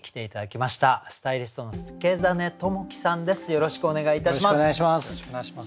よろしくお願いします。